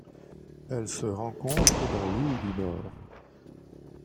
Elle se rencontre dans l'île du Nord.